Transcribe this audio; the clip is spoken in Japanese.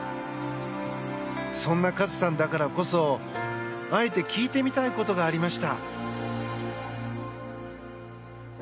そんなカズさんだからこそあえて聞いてみたいことがありました。